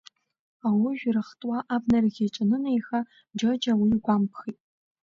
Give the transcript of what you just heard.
Аужәра хтуа абнарахь иҿанынеиха, Џьоџьа уи игәамԥхеит.